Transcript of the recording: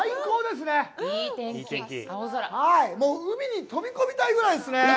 もう海に飛び込みたいぐらいですね。